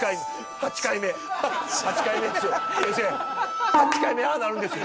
８回目ああなるんですよ